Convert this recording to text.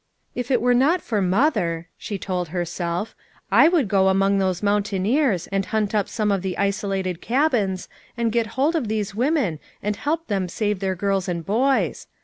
"If it were not for mother," she told herself, "I would go among those mountaineers and hunt up some of the isolated cabins, and get hold of these women and help them save their girls and boys.